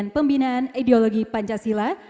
pembinaan ideologi pancasila